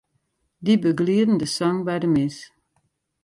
Dy begelieden de sang by de mis.